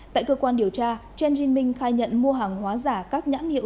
tại cơ quan điều tra chen jin ming khai nhận mua hàng hóa giả các nhãn hiệu